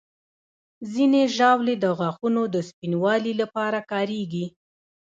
ځینې ژاولې د غاښونو د سپینوالي لپاره کارېږي.